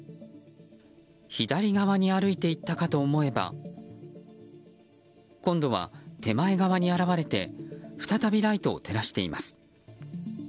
左側に歩いていったかと思えば今度は、手前側に現れて再びライトを照らしています。